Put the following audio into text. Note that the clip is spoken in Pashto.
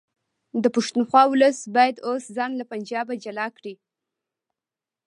د پښتونخوا ولس باید اوس ځان له پنجابه جلا کړي